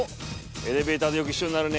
エレベーターでよく一緒になるね。